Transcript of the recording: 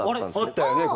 あったよね